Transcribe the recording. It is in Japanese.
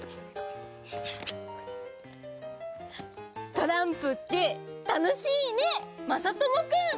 トランプってたのしいねまさともくん。